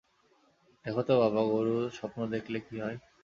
দেখ তো বাবা, গরু স্বপ্ন দেখলে কী হয়।